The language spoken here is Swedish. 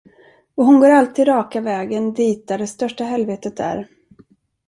Och hon går alltid raka vägen dit där det största helvetet är.